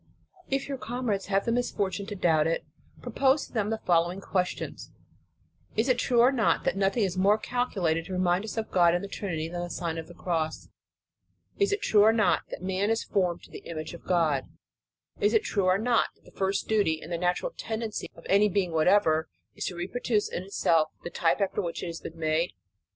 If your com rades have the misfortune to doubt it, pro pose to them the following questions: Is it true or not, that nothing is more calculated to remind us of God and the Trin ity than the Sign of the Cross ? Is it true or not, that man is formed to the image of God? Is it true or not, that the first duty, and the natural tendency of any being whatever, is to reproduce in itself the type after which it has been made?